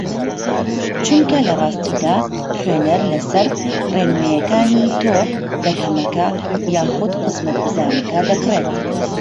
چونکە لەڕاستیدا خوێنەر لەسەر ڕێنوینییەکانی تۆ بەرهەمەکە یاخوود خزمەتگوزارییەکە دەکڕێت